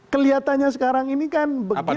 kelihatannya sekarang ini kan